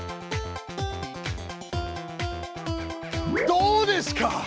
どうですか？